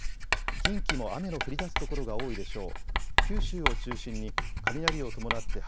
近畿も雨の降りだす所が多いでしょう。